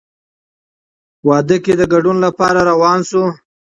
واده کې د ګډون لپاره روان شوو.